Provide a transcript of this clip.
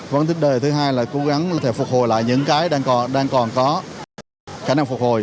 vấn đề thứ hai là cố gắng phục hồi lại những cái đang còn có khả năng phục hồi